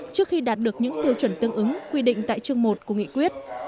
trước khi đạt được những tiêu chuẩn tương ứng quy định tại chương một của nghị quyết